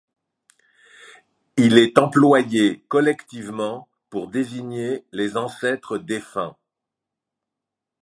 Il est employé collectivement pour désigner les ancêtres défunts.